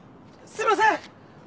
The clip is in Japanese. すいません！